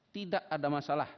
tidak ada masalah